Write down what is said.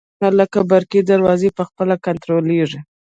دا سیسټمونه لکه برقي دروازې په خپله کنټرولیږي.